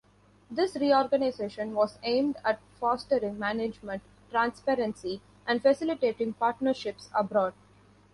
This reorganization was aimed at fostering management transparency and facilitating partnerships abroad.